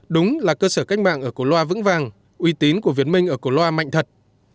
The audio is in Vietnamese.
đúng là cơ sở cách mạng ở cổ loa vững vàng uy tín của việt minh ở cổ loa mạnh thật